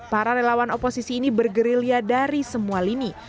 para relawan oposisi ini bergerilya dari semua lini